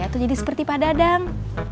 atau jadi seperti pak dadang